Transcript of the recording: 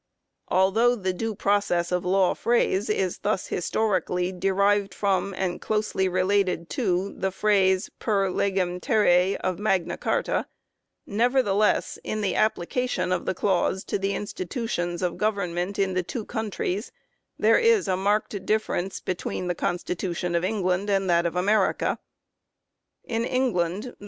3 Although the due process of law phrase is thus his torically derived from and closely related to the phrase per legem terrae of Magna Carta, nevertheless, in the application of the clause to the institutions of govern ment in the two countries, there is a marked differ 1 (1884) in U.S. 701, 708, 4 Sup. Ct. 663. 2 (1819) 17 U.